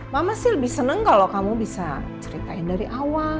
mama sih lebih senang kalau kamu bisa ceritain dari awal